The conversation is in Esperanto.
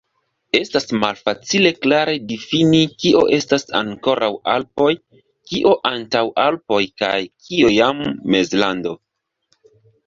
Estas malfacile klare difini, kio estas ankoraŭ Alpoj, kio Antaŭalpoj kaj kio jam Mezlando.